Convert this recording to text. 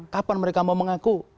kapan mereka mau mengaku